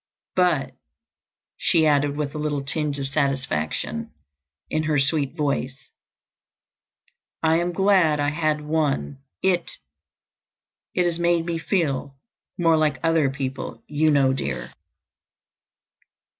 But," she added, with a little tinge of satisfaction in her sweet voice, "I am glad I had one. It—it has made me feel more like other people, you know, dear."